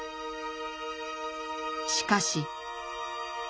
しかし。